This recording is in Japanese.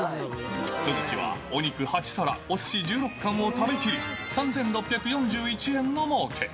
鈴木はお肉８皿、おすし１６カンを食べきり、３６４１円のもうけ。